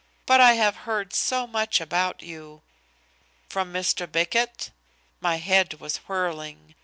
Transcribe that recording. But I have heard so much about you." "From Mr. Bickett?" My head was whirling.